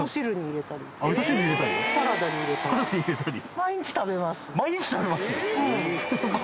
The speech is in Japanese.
毎日食べます？